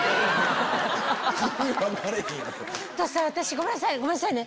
ごめんなさいね！